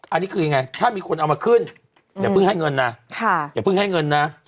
อันนี้คือยังไงถ้ามีคนเอามาขึ้นอย่าเพิ่งให้เงินนะ